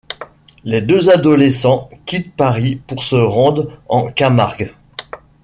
Les deux adolescents quittent Paris pour se rendre en Camargue.